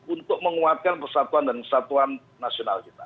untuk menguatkan persatuan dan kesatuan nasional kita